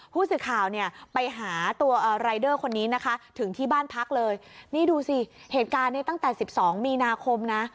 ผู้สื่อข่าวเนี่ยไปหาตัวรายเดอร์คนนี้นะคะถึงที่บ้านพักเลยนี่ดูสิเหตุการณ์นี้ตั้งแต่๑๒มีนาคมนะ